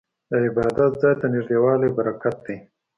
د عبادت ځای ته نږدې والی برکت دی.